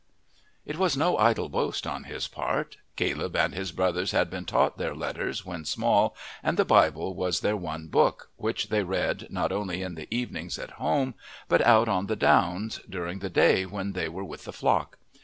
It was no idle boast on his part. Caleb and his brothers had been taught their letters when small, and the Bible was their one book, which they read not only in the evenings at home but out on the downs during the day when they were with the flock.